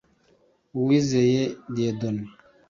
Uwizeye Dieudonné